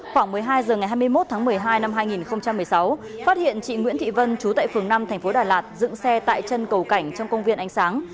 khoảng một mươi hai h ngày hai mươi một tháng một mươi hai năm hai nghìn một mươi sáu phát hiện chị nguyễn thị vân chú tại phường năm tp đà lạt dựng xe tại chân cầu cảnh trong công viên ánh sáng